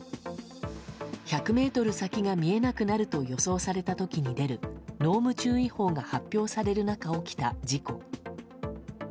１００ｍ先が見えなくなると予想された時に出る濃霧注意報が発表される中起きた事故。